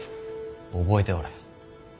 覚えておれ。